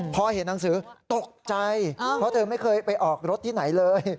พอเห็นหนังสือตกใจเพราะเธอไม่เคยไปออกรถที่ไหนเลย